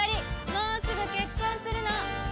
もうすぐ結婚するの。